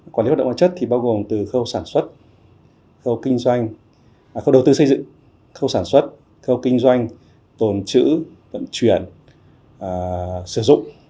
quản lý hoạt động hóa chất thì bao gồm từ khâu sản xuất khâu kinh doanh khâu đầu tư xây dựng khâu sản xuất khâu kinh doanh tồn chữ vận chuyển sử dụng